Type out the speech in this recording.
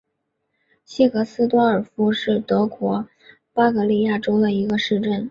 西格斯多尔夫是德国巴伐利亚州的一个市镇。